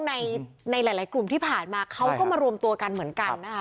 ในหลายกลุ่มที่ผ่านมาเขาก็มารวมตัวกันเหมือนกันนะคะ